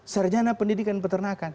sarjana pendidikan peternakan